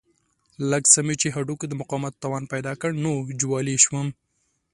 لږ څه مې چې هډوکو د مقاومت توان پیدا کړ نو جوالي شوم.